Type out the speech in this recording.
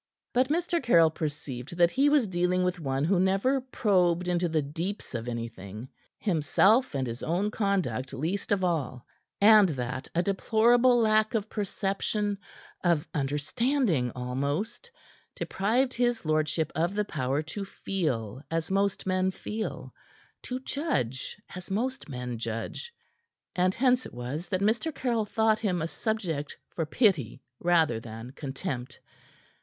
But Mr. Caryll perceived that he was dealing with one who never probed into the deeps of anything himself and his own conduct least of all and that a deplorable lack of perception, of understanding almost, deprived his lordship of the power to feel as most men feel, to judge as most men judge. And hence was it that Mr. Caryll thought him a subject for pity rather than contempt.